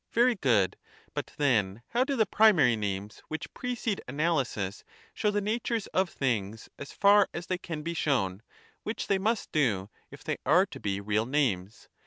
Very good ; but then how do the primary names which precede analysis show the natures of things, as far as they can be shown ; which they must do, if they are to be real names?